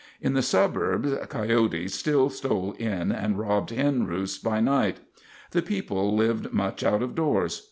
In the suburbs coyotes still stole in and robbed hen roosts by night. The people lived much out of doors.